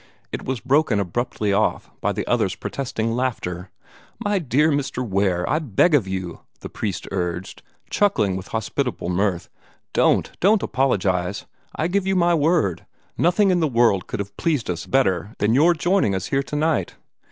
It was broken abruptly off by the other's protesting laughter. "My dear Mr. Ware, I beg of you," the priest urged, chuckling with hospitable mirth, "don't, don't apologize! I give you my word, nothing in the world could have pleased us better than your joining us here tonight.